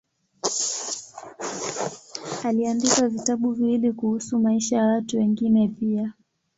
Aliandika vitabu viwili kuhusu maisha ya watu wengine pia.